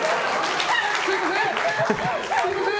すみません！